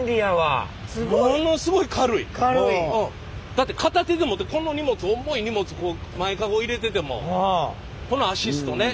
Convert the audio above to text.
だって片手で持ってこの荷物重い荷物前カゴ入れててもこのアシストね。